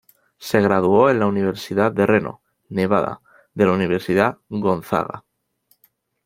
Se graduó en la Universidad de Reno, Nevada, de la Universidad Gonzaga.